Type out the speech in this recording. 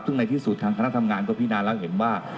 ซึ่งในที่สุดทางคณะทำงานก็พินาแล้วเห็นว่า